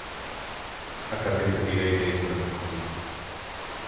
A cabeça direita e o coração limpo.